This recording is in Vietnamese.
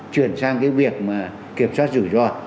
chuyển sang cái việc mà kiểm soát rủi ro